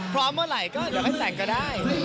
พร้อมเมื่อไหร่ก็แยกให้แต่งก็ได้